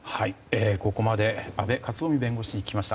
ここまで阿部克臣弁護士に聞きました。